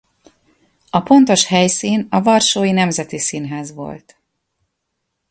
A pontos helyszín a Varsói Nemzeti Színház volt.